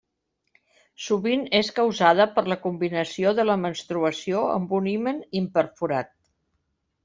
Sovint és causada per la combinació de la menstruació amb un himen imperforat.